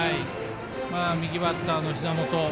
右バッターのひざ元。